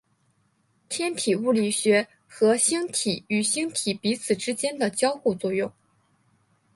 天体物理学和星体与星体彼此之间的交互作用。